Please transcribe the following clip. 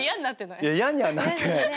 いや嫌にはなってない。